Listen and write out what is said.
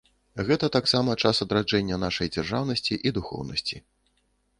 Гэта таксама час адраджэння нашай дзяржаўнасці і духоўнасці.